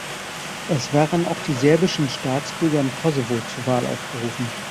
Es waren auch die serbischen Staatsbürger im Kosovo zur Wahl aufgerufen.